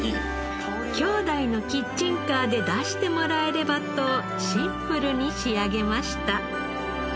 兄弟のキッチンカーで出してもらえればとシンプルに仕上げました。